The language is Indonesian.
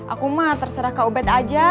aku mah terserah ke ubed aja